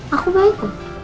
aku baik dong